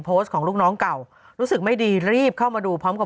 โพสต์ของลูกน้องเก่ารู้สึกไม่ดีรีบเข้ามาดูพร้อมกับ